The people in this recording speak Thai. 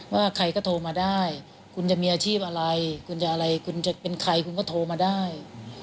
ว่าใครก็โทรมาได้คุณจะมีอาชีพอะไรคุณจะอะไรคุณจะเป็นใครคุณก็โทรมาได้